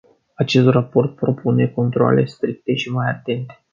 Acest raport propune controale stricte și mai atente.